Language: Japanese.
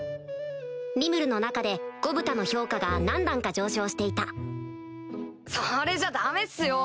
リムルの中でゴブタの評価が何段か上昇していたそれじゃダメっすよ